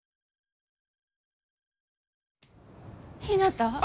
ひなた。